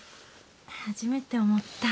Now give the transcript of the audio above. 初めて思った。